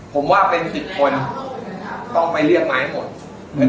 ผมว่าเป็นสิบคนต้องไปเรียกมาให้หมด